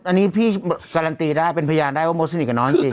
อันนี้พี่การันตีได้เป็นพยานได้ว่ามดสนิทกับน้องจริง